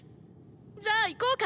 じゃあ行こうか。